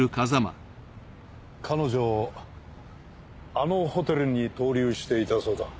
彼女あのホテルにとう留していたそうだ。